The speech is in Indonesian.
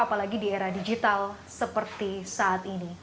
apalagi di era digital seperti saat ini